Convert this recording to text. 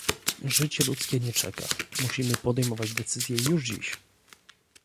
Życie ludzkie nie czeka, musimy podejmować decyzje już dziś